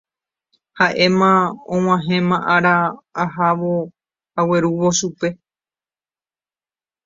Haʼéma og̃uahẽma ára ahávo aguerúvo chupe.